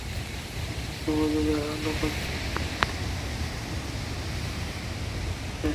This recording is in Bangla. এখন নবযুগের আলোকোজ্জ্বল প্রভাবে দিকে দিকে নারী প্রগতির জয়গান ঘোষিত হচ্ছে।